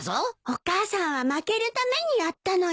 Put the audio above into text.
お母さんは負けるためにやったのよ。